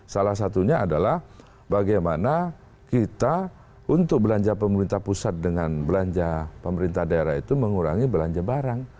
salah satunya adalah bagaimana kita untuk belanja pemerintah pusat dengan belanja pemerintah daerah itu mengurangi belanja barang